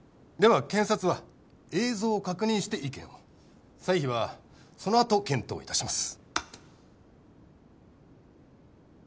は検察は映像を確認して意見を採否はそのあと検討いたします